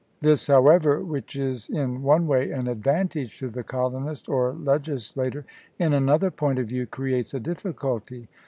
This, however, which is in one way an advantage to the colonist or legislator, in another point of view creates a difficulty.